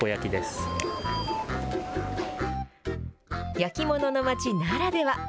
焼き物の町ならでは。